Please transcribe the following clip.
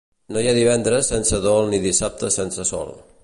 No hi ha divendres sense dol ni dissabte sense sol.